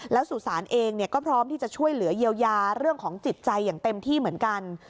แล้วสุสานเองก็พร้อมที่จะช่วยเหลือเยียวยาเรื่องของจิตใจอย่างเต็มที่เหมือนกัน